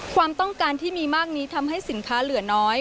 ความต้องการที่มีมากนี้ทำให้สินค้าเหลือน้อย